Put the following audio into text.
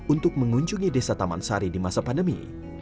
untuk mengunjungi desa taman sari di masa pandemi